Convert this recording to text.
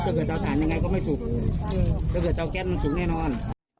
ถ้าเกิดเจ้าสาธารณ์ยังไงก็ไม่สุกถ้าเกิดเจ้าแก๊สมันสุกแน่นอน